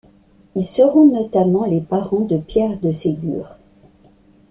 Ils seront notamment les parents de Pierre de Ségur.